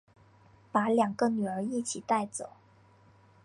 把两个女儿一起带走